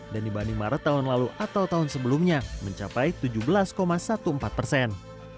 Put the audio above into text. dan dibanding maret tahun lalu atau tahun sebelumnya mencapai tujuh belas empat belas persen